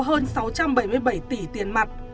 hơn sáu trăm bảy mươi bảy tỷ tiền mặt